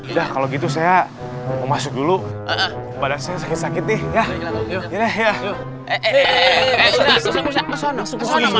udah kalau gitu saya masuk dulu pada saya sakit sakit ya ya ya eh kesana kesana